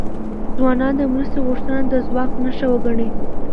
ځوانان د مرستې غوښتنه د ځواک نښه وګڼي.